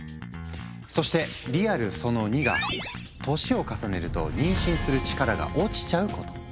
そしてリアルその２が年を重ねると妊娠する力が落ちちゃうこと。